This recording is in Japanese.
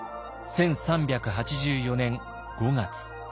１３８４年５月。